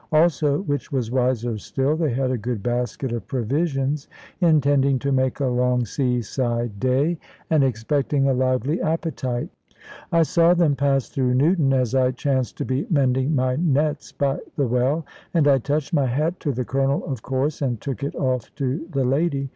Also, which was wiser still, they had a good basket of provisions, intending to make a long sea side day, and expecting a lively appetite. I saw them pass through Newton as I chanced to be mending my nets by the well; and I touched my hat to the Colonel of course, and took it off to the lady.